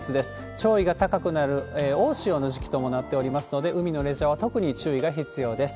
潮位が高くなる大潮の時期ともなっておりますので、海のレジャーは特に注意が必要です。